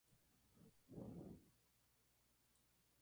Jun, más indefenso, se siente atraído por todo lo que encarna su compañero.